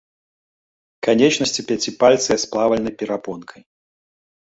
Канечнасці пяціпальцыя, з плавальнай перапонкай.